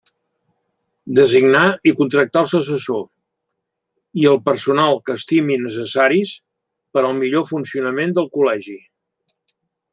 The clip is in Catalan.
Designar i contractar els assessors, i el personal que estime necessaris, per al millor funcionament del Col·legi.